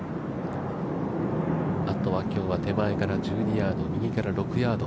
あとは今日手前から１２ヤード、右から６ヤード。